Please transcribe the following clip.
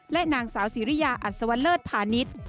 และนางสาวสิริยาอัศวเลิศพาณิชย์